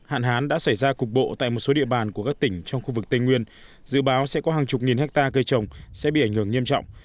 hạn hán đã xảy ra cục bộ tại một số địa bàn của các tỉnh trong khu vực tây nguyên dự báo sẽ có hàng chục nghìn hectare cây trồng sẽ bị ảnh hưởng nghiêm trọng